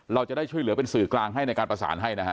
เราจะได้ช่วยเหลือเป็นสื่อกลางให้ในการประสานให้นะฮะ